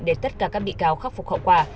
để tất cả các bị cáo khắc phục hậu quả